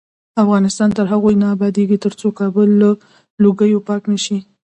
افغانستان تر هغو نه ابادیږي، ترڅو کابل له لوګیو پاک نشي.